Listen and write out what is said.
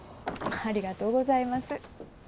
ありがとうございます。